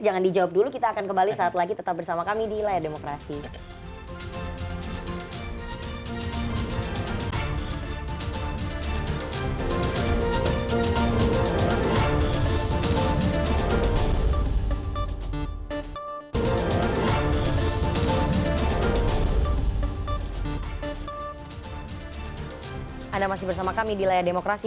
jangan dijawab dulu kita akan kembali saat lagi tetap bersama kami di layar demokrasi